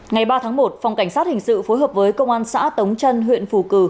ngày ba tháng một phòng cảnh sát hình sự phối hợp với công an xã tống trân huyện phù cử